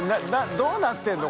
どうなってるの？